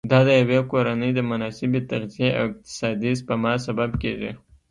دا د یوې کورنۍ د مناسبې تغذیې او اقتصادي سپما سبب کېږي.